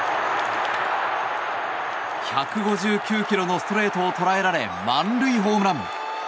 １５９キロのストレートを捉えられ満塁ホームラン。